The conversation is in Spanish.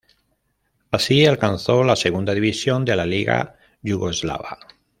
Así alcanzó la Segunda División de la Liga Yugoslava.